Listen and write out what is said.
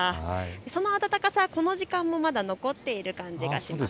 その暖かさ、この時間もまだ残っている感じがします。